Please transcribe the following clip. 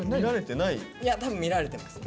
多分見られてます。